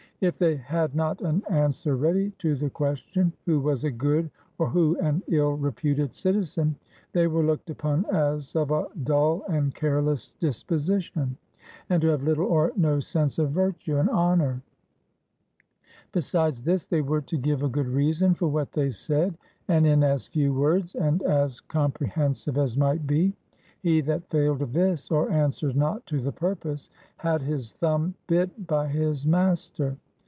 If they had not an answer ready to the question, Who was a good or who an ill reputed citi zen, they were looked upon as of a dull and careless dis position, and to have little or no sense of virtue and honor; besides this, they were to give a good reason for what they said, and in as few words and as comprehen sive as might be; he that failed of this, or answered not to the purpose, had his thumb bit by his master.